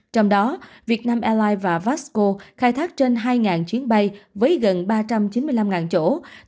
trong đó việt nam airlines và vasco khai thác trên hai chuyến bay với gần ba trăm chín mươi năm chỗ